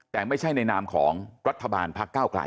แต่ไม่ใช่ในนามของรัฐบาลพก